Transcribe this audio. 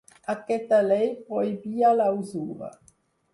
Aquesta llei prohibia la usura.